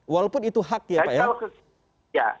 walaupun itu hak ya pak ya